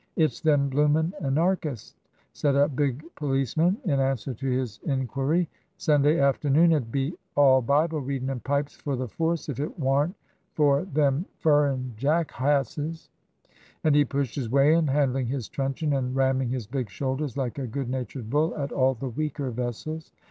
" It's them bloomin' Anarchists," said a big policeman in answer to his enquiry ;" Sunday afternoon 'ud be all Bible readin' and pipes for the force if it waren't for them furrin jackhasses." TRANSITION. 187 And he pushed his way in, handling his truncheon and ramming his big shoulders like a good natured bull at all the weaker vessels.